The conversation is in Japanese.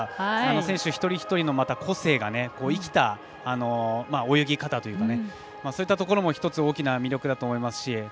選手一人一人の個性が生きた泳ぎ方というかそういったところも大きな魅力だと思います。